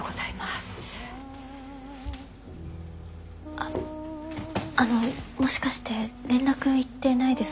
あっあのもしかして連絡いってないですか？